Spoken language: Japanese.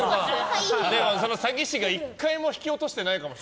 その詐欺師が１回も引き落としてないかも。